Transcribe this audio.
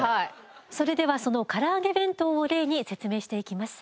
それではそのからあげ弁当を例に説明していきます。